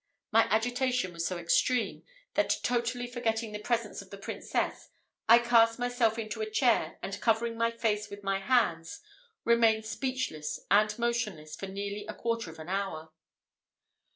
My agitation was so extreme, that totally forgetting the presence of the Princess, I cast myself into a chair, and covering my face with my hands, remained speechless and motionless for nearly a quarter of an hour.